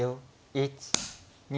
１２。